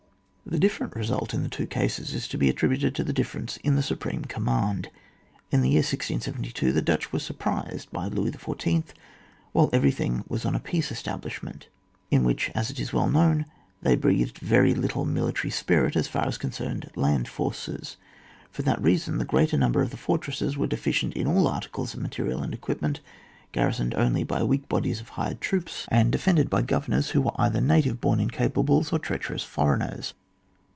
The different result in the two cases is to be attributed to the difference in the supreme command. In the year 1 672 the Dutch were surprised by Louis XIV., while everything was on a peace estab lishment, in which, as is well known, there breathed very little military spirit as far as concerned land forces. For that reason the greater number of the fortresses were deficient in all articles of material and equipment, garrisoned only by weak bodies of hired troops, and CHAP. XX.] INUNDATIONS, 149 defended by governors who were either native born incapables, or treacherous foreigners.